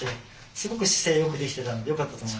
すごく姿勢よくできてたのでよかったと思います。